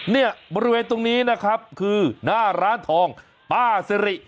เนี่ยบริเวณตรงนี้นะครับคือหน้าร้านทองป้าสิริ